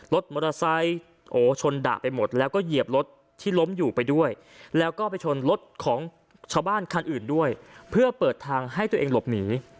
รถมอเตอร์ไซค์ชนดะไปหมดแล้วก็เหยียบรถที่ล้มอยู่ไปด้วยแล้วก็ไปชนรถของชาวบ้านคันอื่นด้วยเพื่อเปิดทางให้ตัวเองหลบหนี